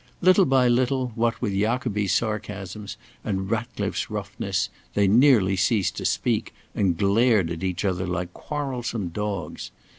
Little by little, what with Jacobi's sarcasms and Ratcliffe's roughness, they nearly ceased to speak, and glared at each other like quarrelsome dogs.